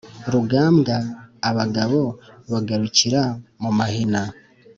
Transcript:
Rugambwa abagabo bagarukira mu mahina,